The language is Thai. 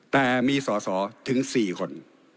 แต่มีสอสอถึง๔คน